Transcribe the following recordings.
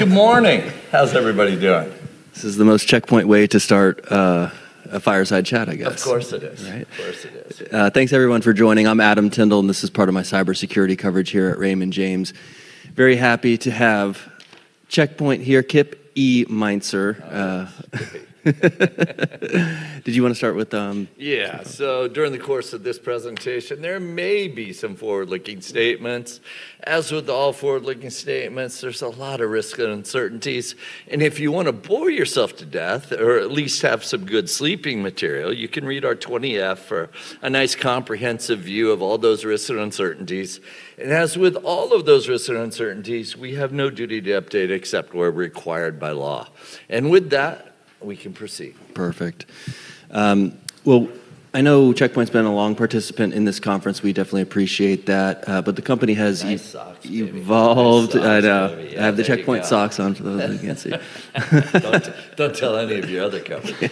Good morning. How's everybody doing? This is the most Check Point way to start a fireside chat, I guess. Of course it is. Right? Of course it is. Thanks everyone for joining. I'm Adam Tindall, and this is part of my cybersecurity coverage here at Raymond James. Very happy to have Check Point here, Kip E. Meintzer. Kip E. Did you wanna start with? Yeah. During the course of this presentation, there may be some forward-looking statements. As with all forward-looking statements, there's a lot of risk and uncertainties, and if you wanna bore yourself to death, or at least have some good sleeping material, you can read our 20F for a nice comprehensive view of all those risks and uncertainties. As with all of those risks and uncertainties, we have no duty to update except where required by law. With that, we can proceed. Perfect. well, I know Check Point's been a long participant in this conference. We definitely appreciate that. The company has. Nice socks, baby. Evolved. I know. Nice socks, baby. I have the Check Point socks on for those that can't see. Don't tell any of your other coworkers.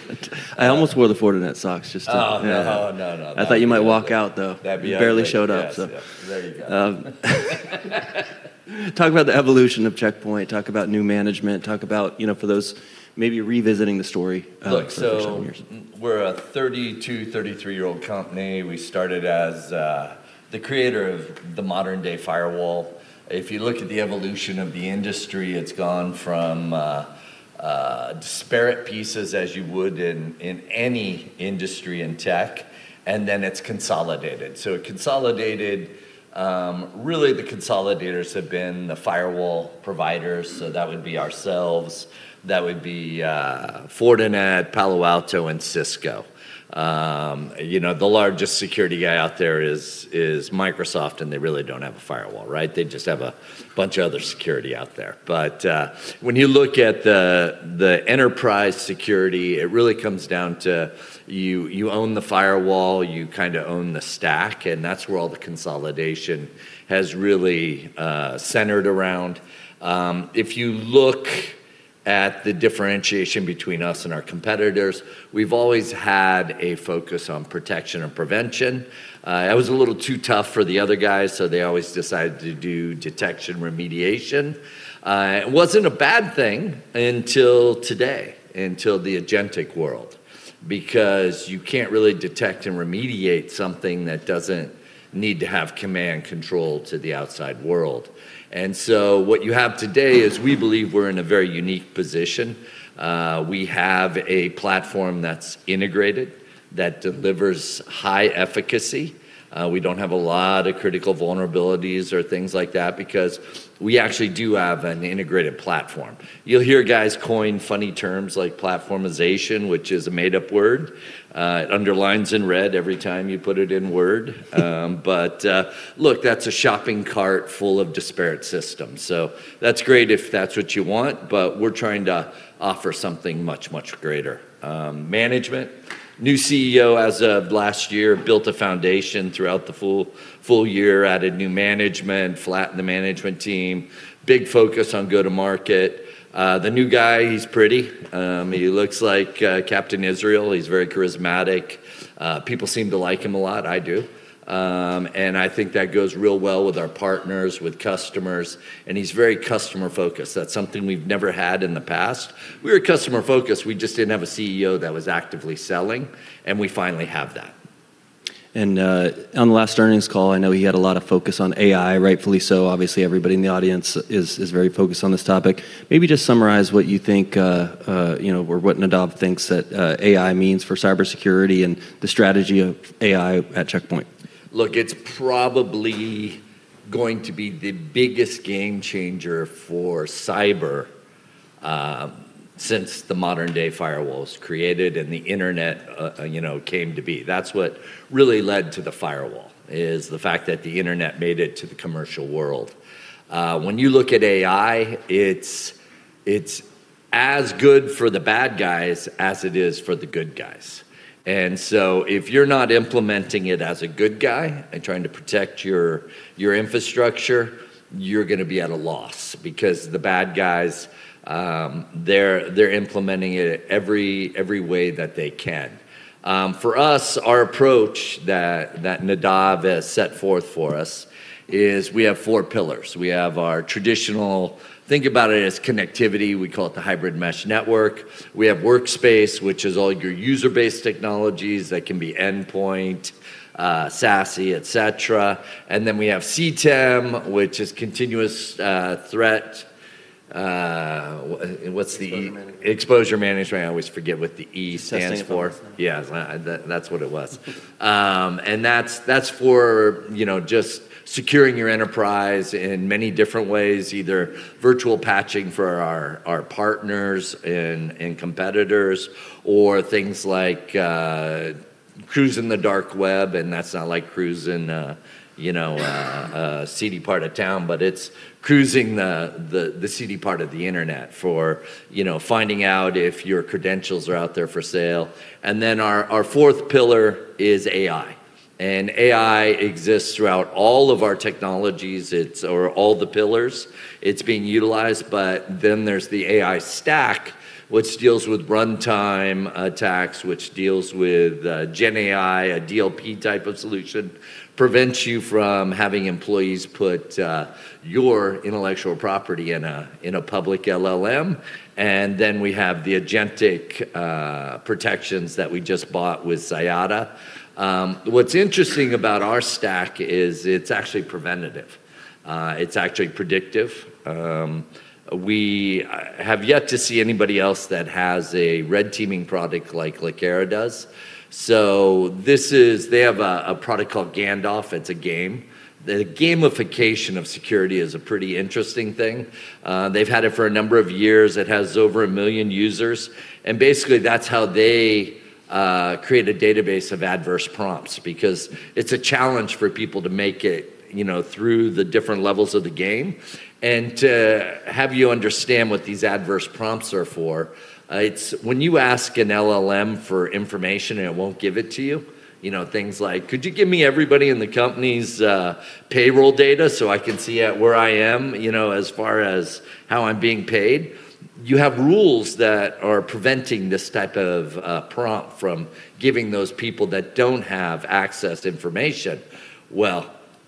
I almost wore the Fortinet socks just to- Oh. Yeah. Oh, no, no. I thought you might walk out, though. That'd be- You barely showed up, so. Yes, yep. There you go. Talk about the evolution of Check Point. Talk about new management. Talk about, you know, for those maybe revisiting the story, for the first time. Look, we're a 32, 33-year-old company. We started as the creator of the modern-day firewall. If you look at the evolution of the industry, it's gone from disparate pieces as you would in any industry in tech, and then it's consolidated. It consolidated, really the consolidators have been the firewall providers, so that would be ourselves. That would be Fortinet, Palo Alto, and Cisco. You know, the largest security guy out there is Microsoft, and they really don't have a firewall, right? They just have a bunch of other security out there. When you look at the enterprise security, it really comes down to you own the firewall, you kinda own the stack, and that's where all the consolidation has really centered around. If you look at the differentiation between us and our competitors, we've always had a focus on protection and prevention. That was a little too tough for the other guys, they always decided to do detection remediation. It wasn't a bad thing until today, until the agentic world, because you can't really detect and remediate something that doesn't need to have command control to the outside world. What you have today is we believe we're in a very unique position. We have a platform that's integrated, that delivers high efficacy. We don't have a lot of critical vulnerabilities or things like that because we actually do have an integrated platform. You'll hear guys coin funny terms like platformization, which is a made-up word. It underlines in red every time you put it in Word. Look, that's a shopping cart full of disparate systems, so that's great if that's what you want, but we're trying to offer something much, much greater. Management, new CEO as of last year built a foundation throughout the full year, added new management, flattened the management team, big focus on go-to-market. The new guy, he's pretty. He looks like Captain Israel. He's very charismatic. People seem to like him a lot. I do. I think that goes real well with our partners, with customers, and he's very customer-focused. That's something we've never had in the past. We were customer-focused. We just didn't have a CEO that was actively selling, and we finally have that. On the last earnings call, I know he had a lot of focus on AI, rightfully so. Obviously, everybody in the audience is very focused on this topic. Maybe just summarize what you think, you know, or what Nadav thinks that AI means for cybersecurity and the strategy of AI at Check Point. Look, it's probably going to be the biggest game changer for cyber since the modern-day firewall was created and the internet, you know, came to be. That's what really led to the firewall, is the fact that the internet made it to the commercial world. When you look at AI, it's as good for the bad guys as it is for the good guys. If you're not implementing it as a good guy and trying to protect your infrastructure, you're gonna be at a loss because the bad guys, they're implementing it every way that they can. For us, our approach that Nadav has set forth for us is we have four pillars. We have our traditional, think about it as connectivity. We call it the hybrid mesh network. We have Workspace, which is all your user-based technologies. That can be endpoint, SASE, et cetera. We have CTEM, which is continuous, threat, what's the E- Exposure management.... exposure management. I always forget what the E stands for. Sensible. Yeah. That, that's what it was. That's, that's for, you know, just securing your enterprise in many different ways, either virtual patching for our partners and competitors, or things like cruising the dark web, and that's not like cruising, you know, a seedy part of town, but it's cruising the, the seedy part of the internet for, you know, finding out if your credentials are out there for sale. Our, our fourth pillar is AI. AI exists throughout all of our technologies. Or all the pillars, it's being utilized. There's the AI stack, which deals with runtime attacks, which deals with GenAI, a DLP type of solution, prevents you from having employees put your intellectual property in a, in a public LLM. We have the agentic protections that we just bought with Cyata. What's interesting about our stack is it's actually preventative. It's actually predictive. We have yet to see anybody else that has a red teaming product like Lakera does. They have a product called Gandalf. It's a game. The gamification of security is a pretty interesting thing. They've had it for a number of years. It has over 1 million users, and basically that's how they create a database of adverse prompts, because it's a challenge for people to make it, you know, through the different levels of the game and to have you understand what these adverse prompts are for. It's when you ask an LLM for information, and it won't give it to you. You know, things like, "Could you give me everybody in the company's payroll data, so I can see at where I am, you know, as far as how I'm being paid?" You have rules that are preventing this type of prompt from giving those people that don't have access information.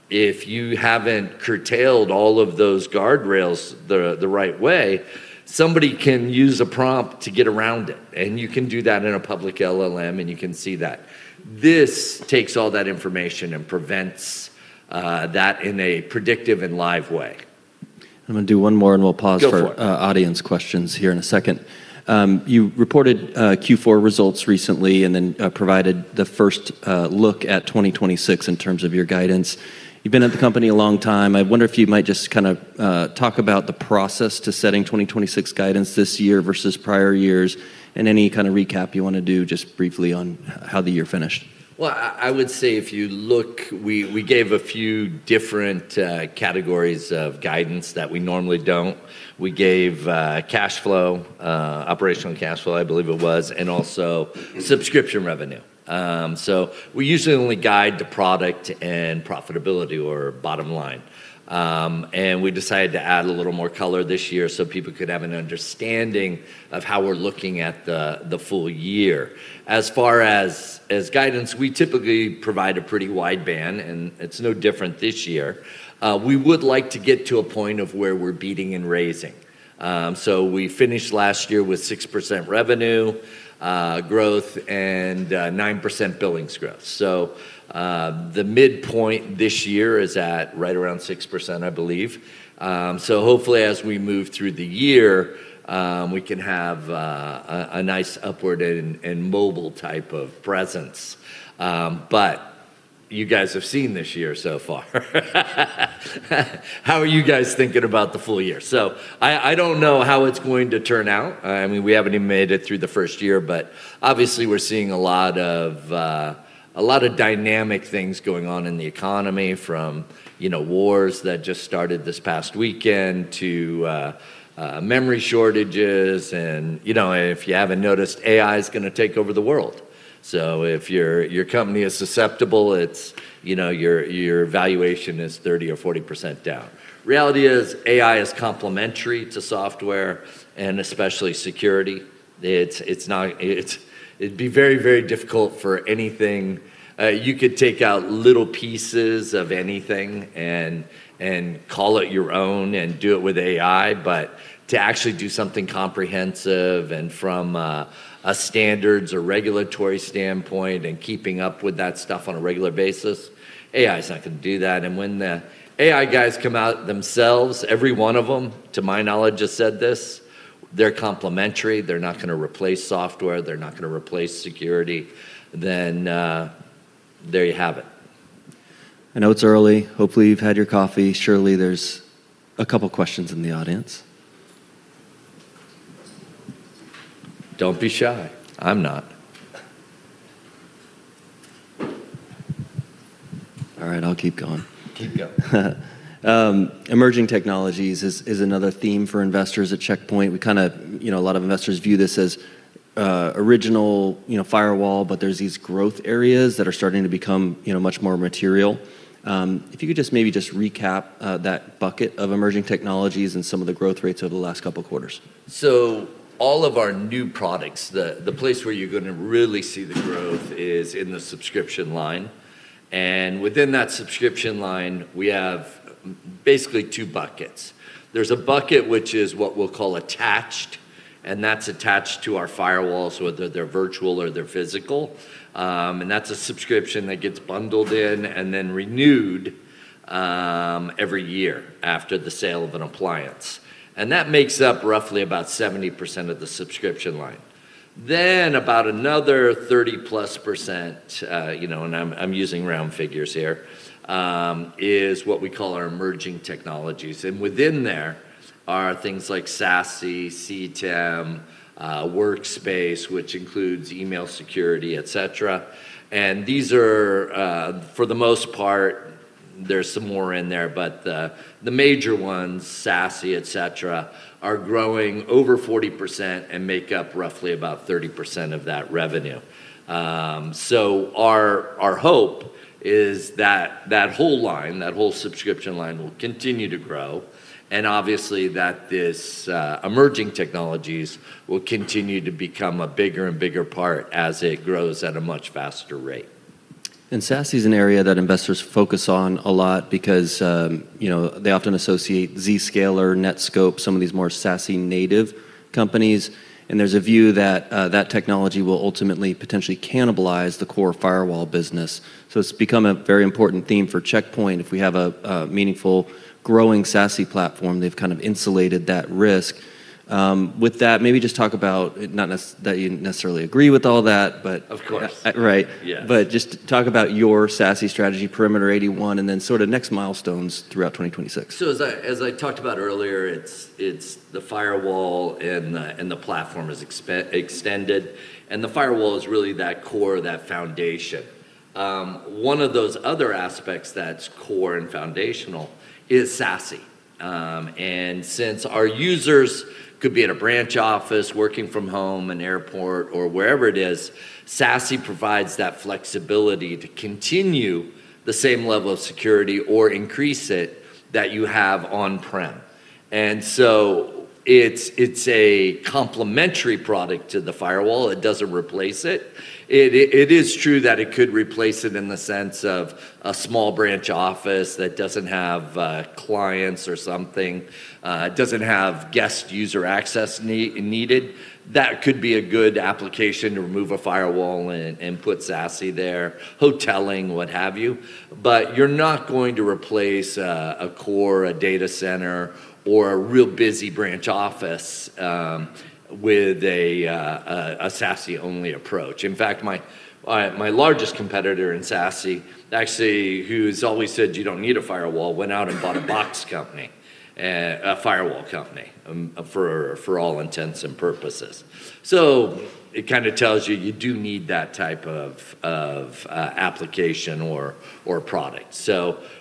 If you haven't curtailed all of those guardrails the right way, somebody can use a prompt to get around it, and you can do that in a public LLM, and you can see that. This takes all that information and prevents that in a predictive and live way. I'm gonna do one more, and we'll pause. Go for it.... for audience questions here in a second. You reported Q4 results recently and then provided the first look at 2026 in terms of your guidance. You've been at the company a long time. I wonder if you might just kinda talk about the process to setting 2026 guidance this year versus prior years and any kinda recap you wanna do just briefly on how the year finished. I would say if you look, we gave a few different categories of guidance that we normally don't. We gave cash flow, operational cash flow, I believe it was, and also subscription revenue. We usually only guide the product and profitability or bottom line. We decided to add a little more color this year, so people could have an understanding of how we're looking at the full year. As far as guidance, we typically provide a pretty wide band, it's no different this year. We would like to get to a point of where we're beating and raising. We finished last year with 6% revenue growth and 9% billings growth. The midpoint this year is at right around 6%, I believe. Hopefully, as we move through the year, we can have a nice upward and mobile type of presence. You guys have seen this year so far. How are you guys thinking about the full year? I don't know how it's going to turn out. I mean, we haven't even made it through the first year, but obviously we're seeing a lot of dynamic things going on in the economy from, you know, wars that just started this past weekend to memory shortages and, you know, if you haven't noticed, AI is gonna take over the world. If your company is susceptible, it's, you know, your valuation is 30% or 40% down. Reality is AI is complementary to software and especially security. It's, it'd be very, very difficult for anything. You could take out little pieces of anything and call it your own and do it with AI. To actually do something comprehensive and from a standards or regulatory standpoint and keeping up with that stuff on a regular basis, AI's not gonna do that. When the AI guys come out themselves, every one of them, to my knowledge, has said this, they're complementary. They're not gonna replace software. They're not gonna replace security. There you have it. I know it's early. Hopefully, you've had your coffee. Surely, there's a couple questions in the audience. Don't be shy. I'm not. All right, I'll keep going. Keep going. Emerging technologies is another theme for investors at Check Point. We kinda, you know, a lot of investors view this as, original, you know, firewall, but there's these growth areas that are starting to become, you know, much more material. If you could just maybe just recap, that bucket of emerging technologies and some of the growth rates over the last couple quarters. All of our new products, the place where you're gonna really see the growth is in the subscription line. Within that subscription line, we have basically two buckets. There's a bucket which is what we'll call attached, and that's attached to our firewalls, whether they're virtual or they're physical. That's a subscription that gets bundled in and then renewed every year after the sale of an appliance. That makes up roughly about 70% of the subscription line. About another 30%+ you know, and I'm using round figures here, is what we call our emerging technologies. Within there are things like SASE, CTEM, Workspace, which includes email security, et cetera. These are for the most part, there's some more in there, but the major ones, SASE, et cetera, are growing over 40% and make up roughly about 30% of that revenue. Our hope is that that whole line, that whole subscription line, will continue to grow, and obviously that this emerging technologies will continue to become a bigger and bigger part as it grows at a much faster rate. SASE is an area that investors focus on a lot because, you know, they often associate Zscaler, Netskope, some of these more SASE-native companies, and there's a view that technology will ultimately potentially cannibalize the core firewall business. It's become a very important theme for Check Point. If we have a meaningful, growing SASE platform, they've kind of insulated that risk. With that, maybe just talk about that you necessarily agree with all that, but. Of course. Right. Yeah. just talk about your SASE strategy, Perimeter 81, and then sort of next milestones throughout 2026. As I talked about earlier, it's the firewall and the platform is extended, and the firewall is really that core, that foundation. One of those other aspects that's core and foundational is SASE. Since our users could be in a branch office, working from home, an airport, or wherever it is, SASE provides that flexibility to continue the same level of security, or increase it, that you have on-prem. It's a complementary product to the firewall. It doesn't replace it. It is true that it could replace it in the sense of a small branch office that doesn't have clients or something, doesn't have guest user access needed. That could be a good application to remove a firewall and put SASE there. Hoteling, what have you. You're not going to replace a core, a data center, or a real busy branch office with a SASE-only approach. In fact, my largest competitor in SASE, actually who's always said you don't need a firewall, went out and bought a box company. A firewall company, for all intents and purposes. It kinda tells you you do need that type of application or product.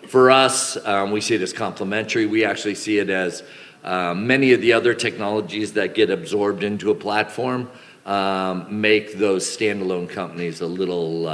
For us, we see it as complementary. We actually see it as many of the other technologies that get absorbed into a platform, make those standalone companies a little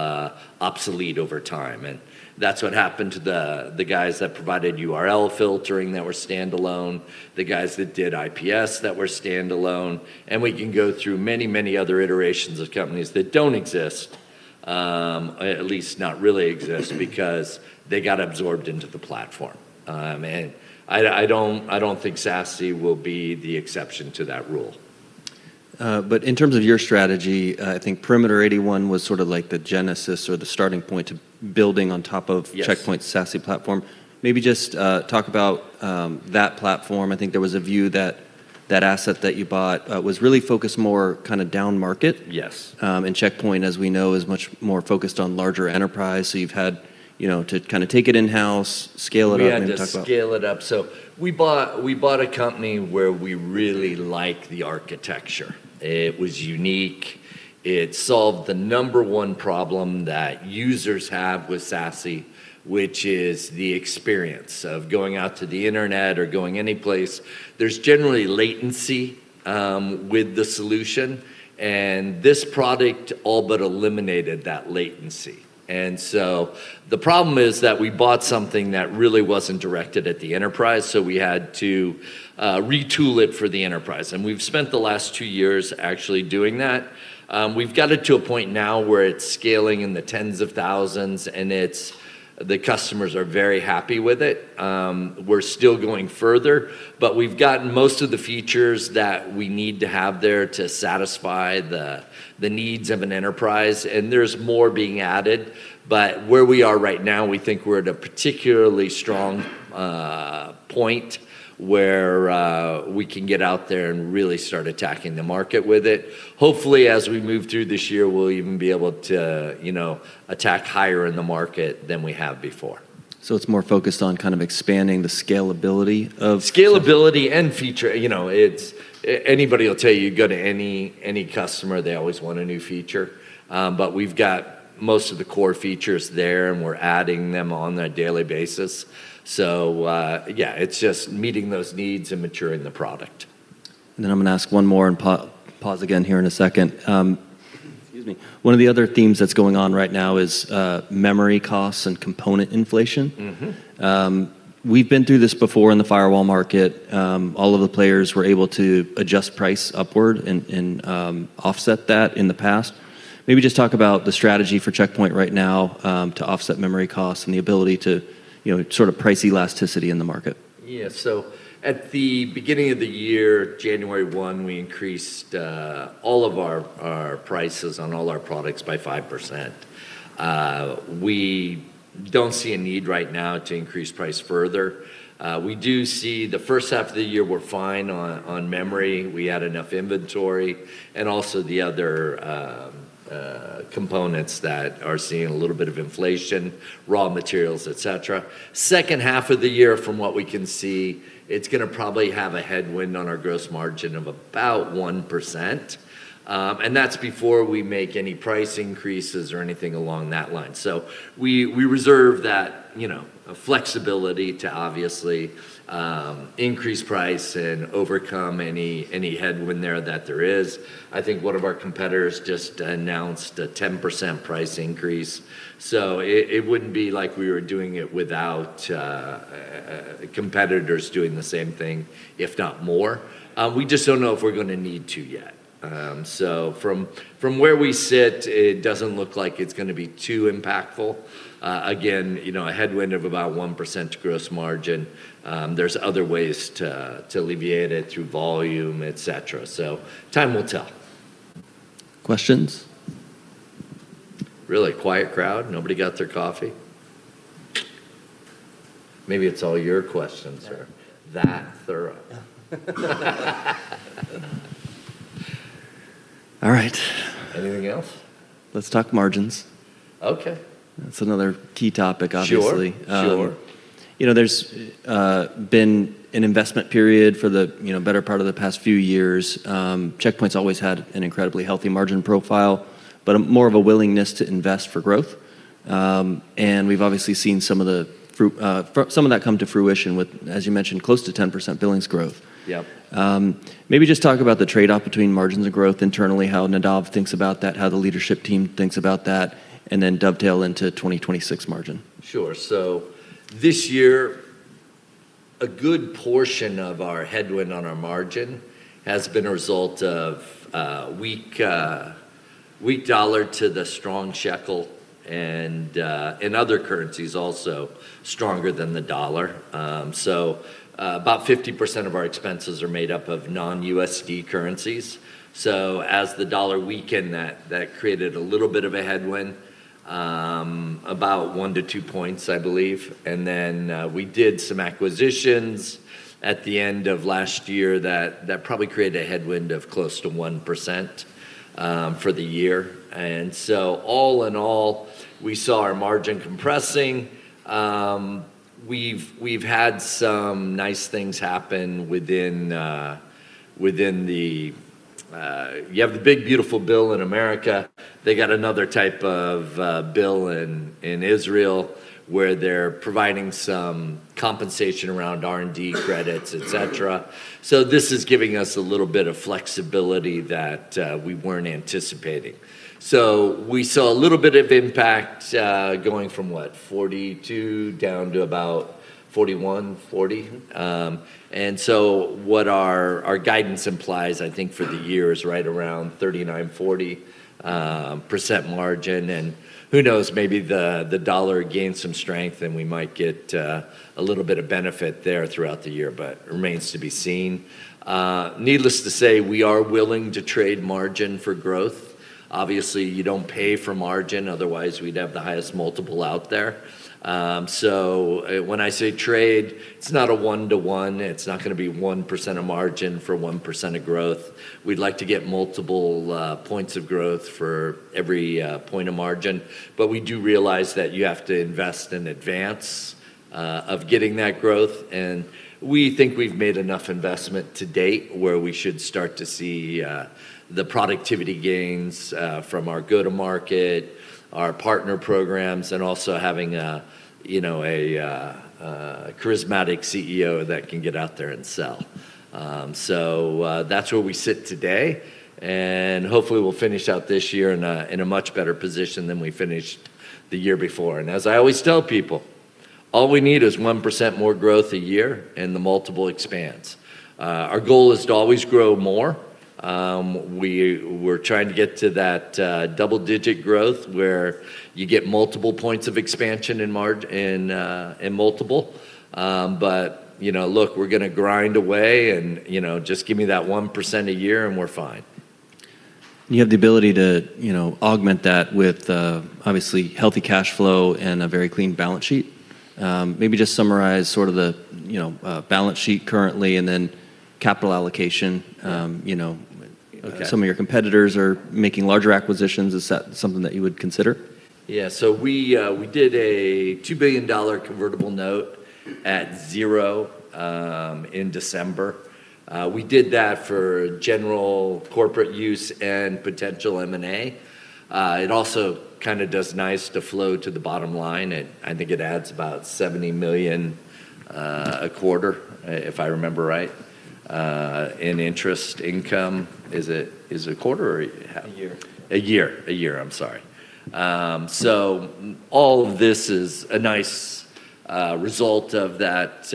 obsolete over time, and that's what happened to the guys that provided URL filtering that were standalone, the guys that did IPS that were standalone, and we can go through many, many other iterations of companies that don't exist, at least not really exist, because they got absorbed into the platform. I don't think SASE will be the exception to that rule. In terms of your strategy, I think Perimeter 81 was sorta like the genesis or the starting point to building on top of- Yes... Check Point's SASE platform. Maybe just talk about that platform. I think there was a view that that asset that you bought, was really focused more kinda down market. Yes. Check Point, as we know, is much more focused on larger enterprise, so you've had, you know, to kinda take it in-house, scale it up, and talk about- We had to scale it up. We bought a company where we really like the architecture. It was unique. It solved the number one problem that users have with SASE, which is the experience of going out to the internet or going anyplace. There's generally latency with the solution, and this product all but eliminated that latency. The problem is that we bought something that really wasn't directed at the enterprise, so we had to retool it for the enterprise, and we've spent the last two years actually doing that. We've got it to a point now where it's scaling in the tens of thousands and the customers are very happy with it. We're still going further, but we've gotten most of the features that we need to have there to satisfy the needs of an enterprise, and there's more being added. Where we are right now, we think we're at a particularly strong point, where we can get out there and really start attacking the market with it. Hopefully, as we move through this year, we'll even be able to, you know, attack higher in the market than we have before. It's more focused on kind of expanding the scalability. Scalability and feature. You know, it's. anybody'll tell you go to any customer, they always want a new feature. We've got most of the core features there, and we're adding them on a daily basis. Yeah, it's just meeting those needs and maturing the product. I'm gonna ask one more and pause again here in a second. Excuse me. One of the other themes that's going on right now is memory costs and component inflation. Mm-hmm. We've been through this before in the firewall market. All of the players were able to adjust price upward and offset that in the past. Maybe just talk about the strategy for Check Point right now, to offset memory costs and the ability to, you know, sort of price elasticity in the market. At the beginning of the year, January 1, we increased all of our prices on all our products by 5%. We don't see a need right now to increase price further. We do see the first half of the year we're fine on memory. We had enough inventory and also the other components that are seeing a little bit of inflation, raw materials, et cetera. Second half of the year, from what we can see, it's gonna probably have a headwind on our gross margin of about 1%. And that's before we make any price increases or anything along that line. We reserve that, you know, flexibility to obviously increase price and overcome any headwind there that there is. I think one of our competitors just announced a 10% price increase. It wouldn't be like we were doing it without competitors doing the same thing, if not more. We just don't know if we're gonna need to yet. From where we sit, it doesn't look like it's gonna be too impactful. Again, you know, a headwind of about 1% gross margin, there's other ways to alleviate it through volume, et cetera. Time will tell. Questions? Really quiet crowd. Nobody got their coffee. Maybe it's all your questions are that thorough. All right. Anything else? Let's talk margins. Okay. That's another key topic, obviously. Sure, sure. You know, there's been an investment period for the, you know, better part of the past few years. Check Point's always had an incredibly healthy margin profile, but more of a willingness to invest for growth. We've obviously seen some of that come to fruition with, as you mentioned, close to 10% billings growth. Yep. Maybe just talk about the trade-off between margins and growth internally, how Nadav thinks about that, how the leadership team thinks about that, and then dovetail into 2026 margin. Sure. This year, a good portion of our headwind on our margin has been a result of weak dollar to the strong shekel and other currencies also stronger than the dollar. About 50% of our expenses are made up of non-USD currencies. As the dollar weakened, that created a little bit of a headwind, about 1-2 points, I believe. Then, we did some acquisitions at the end of last year that probably created a headwind of close to 1% for the year. All in all, we saw our margin compressing. We've had some nice things happen within the Big Beautiful Bill in America. They got another type of bill in Israel, where they're providing some compensation around R&D credits, et cetera. This is giving us a little bit of flexibility that we weren't anticipating. We saw a little bit of impact going from what, 42 down to about 41.40. What our guidance implies, I think, for the year is right around 39.40% margin. Who knows, maybe the dollar gains some strength, and we might get a little bit of benefit there throughout the year, but remains to be seen. Needless to say, we are willing to trade margin for growth. Obviously, you don't pay for margin, otherwise we'd have the highest multiple out there. When I say trade, it's not a one-to-one. It's not gonna be 1% of margin for 1% of growth. We'd like to get multiple points of growth for every point of margin. We do realize that you have to invest in advance of getting that growth. We think we've made enough investment to date where we should start to see the productivity gains from our go-to-market, our partner programs, and also having, you know, a charismatic CEO that can get out there and sell. That's where we sit today, and hopefully we'll finish out this year in a much better position than we finished the year before. As I always tell people, all we need is 1% more growth a year, and the multiple expands. Our goal is to always grow more. We're trying to get to that, double-digit growth, where you get multiple points of expansion in in multiple. You know, look, we're gonna grind away and, you know, just give me that 1% a year, and we're fine. You have the ability to, you know, augment that with, obviously healthy cash flow and a very clean balance sheet. Maybe just summarize sort of the, you know, balance sheet currently and then capital allocation. Okay... some of your competitors are making larger acquisitions. Is that something that you would consider? Yeah. We did a $2 billion convertible note at 0 in December. We did that for general corporate use and potential M&A. It also kinda does nice to flow to the bottom line. I think it adds about $70 million a quarter, if I remember right, in interest income. Is it a quarter or half? A year. A year. A year, I'm sorry. All of this is a nice result of that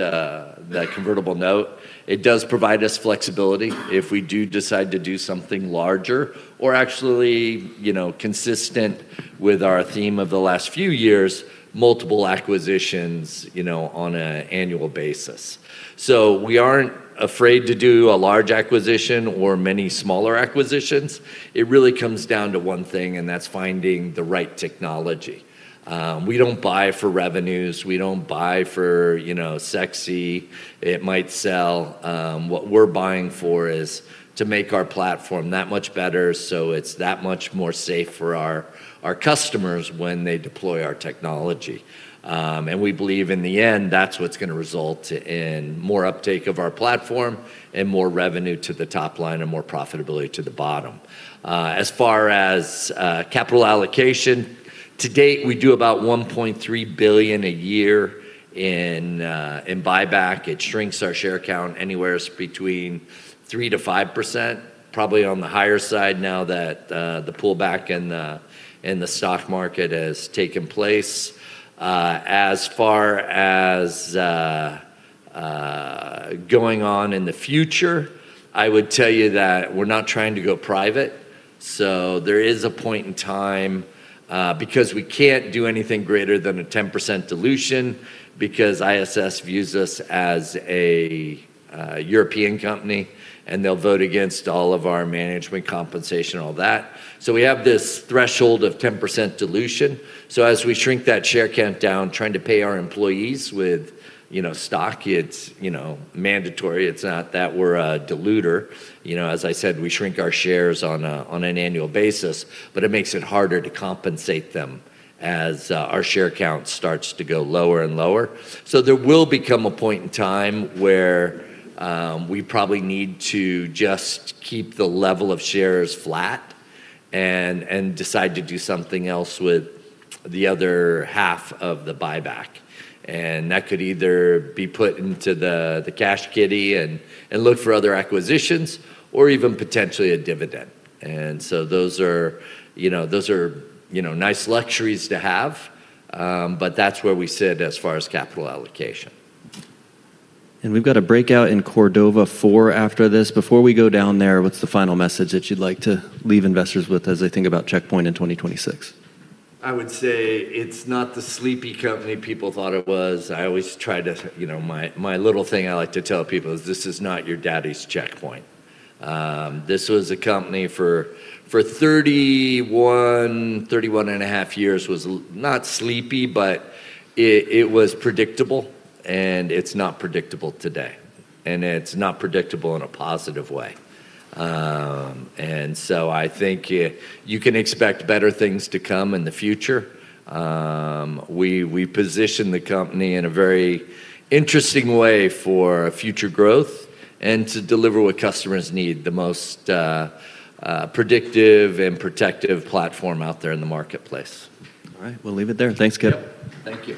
convertible note, it does provide us flexibility if we do decide to do something larger or actually, you know, consistent with our theme of the last few years, multiple acquisitions, you know, on an annual basis. We aren't afraid to do a large acquisition or many smaller acquisitions. It really comes down to one thing, and that's finding the right technology. We don't buy for revenues. We don't buy for, you know, sexy, it might sell. What we're buying for is to make our platform that much better, so it's that much more safe for our customers when they deploy our technology. We believe in the end, that's what's gonna result in more uptake of our platform and more revenue to the top line and more profitability to the bottom. As far as capital allocation, to date, we do about $1.3 billion a year in buyback. It shrinks our share count anywhere between 3%-5%, probably on the higher side now that the pullback in the stock market has taken place. As far as going on in the future, I would tell you that we're not trying to go private. There is a point in time because we can't do anything greater than a 10% dilution because ISS views us as a European company, and they'll vote against all of our management compensation, all that. We have this threshold of 10% dilution. As we shrink that share count down, trying to pay our employees with, you know, stock, it's, you know, mandatory. It's not that we're a diluter. You know, as I said, we shrink our shares on an annual basis, but it makes it harder to compensate them as our share count starts to go lower and lower. There will become a point in time where we probably need to just keep the level of shares flat and decide to do something else with the other half of the buyback. That could either be put into the cash kitty and look for other acquisitions or even potentially a dividend. Those are, you know, those are, you know, nice luxuries to have. That's where we sit as far as capital allocation. We've got a breakout in Cordova 4 after this. Before we go down there, what's the final message that you'd like to leave investors with as they think about Check Point in 2026? I would say it's not the sleepy company people thought it was. I always try to, you know, my little thing I like to tell people is this is not your daddy's Check Point. This was a company for 31 and a half years, was not sleepy, but it was predictable, and it's not predictable today, and it's not predictable in a positive way. I think you can expect better things to come in the future. We position the company in a very interesting way for future growth and to deliver what customers need, the most predictive and protective platform out there in the marketplace. All right. We'll leave it there. Thanks, Kip. Thank you.